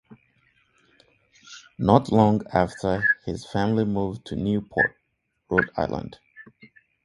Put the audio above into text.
Not long after, his family moved to Newport, Rhode Island.